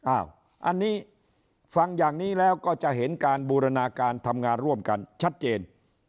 อันนี้ฟังอย่างนี้แล้วก็จะเห็นการบูรณาการทำงานร่วมกันชัดเจน